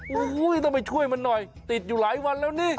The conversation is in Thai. โอ้โหต้องไปช่วยมันหน่อยติดอยู่หลายวันแล้วนี่